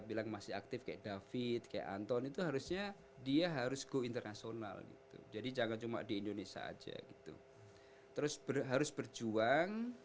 bilang masih aktif kayak david kayak anton itu harusnya dia harus go internasional gitu jadi jangan cuma di indonesia aja gitu terus harus berjuang